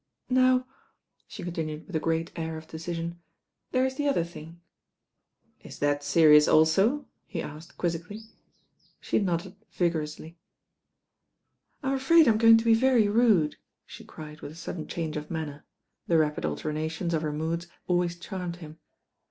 "Now," she continued with a ^reat air of decision, "there's the other thing." "Is that serious also?" he asked quizzically. She nodded vigorously. "I'm afraid I'm going to be very rude," she cried 190 THE RAIN GIRL with a sudden change of manner. The rapid alter nations of her moods always charmed him.